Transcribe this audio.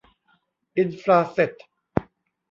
อินฟราเซท